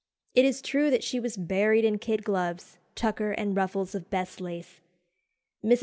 It is true that she was buried in kid gloves, tucker, and ruffles of best lace. Mrs.